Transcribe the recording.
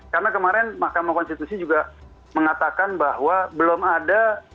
karena kemarin mahkamah konstitusi juga mengatakan bahwa belum ada